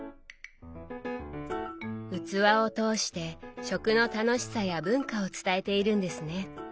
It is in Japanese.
器を通して食の楽しさや文化を伝えているんですね。